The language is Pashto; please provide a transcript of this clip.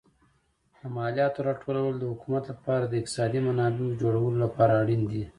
د مالیاتو راټولول د حکومت لپاره د اقتصادي منابعو جوړولو لپاره اړین دي.